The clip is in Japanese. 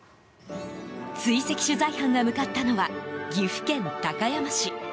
追跡取材班が向かったのは岐阜県高山市。